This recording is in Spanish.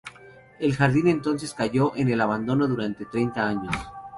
El jardín entonces cayó en el abandono durante treinta años.